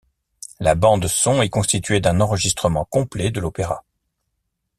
La bande son est constituée d'un enregistrement complet de l'opéra.